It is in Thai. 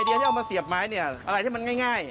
เดี๋ยวที่เอามาเสียบไม้เนี่ยอะไรที่มันง่าย